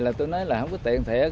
rồi tôi nói là không có tiền thiệt